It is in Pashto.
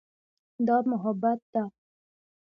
دا محبت ده.